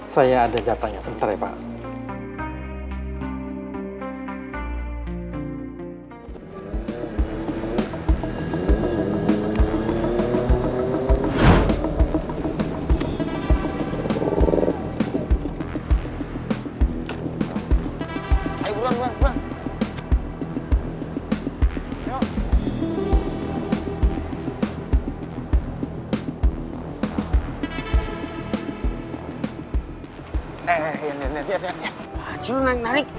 saya ada datanya sebentar ya pak